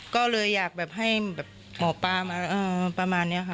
ก็เลยอยากแบบให้แบบหมอปลามาประมาณนี้ค่ะ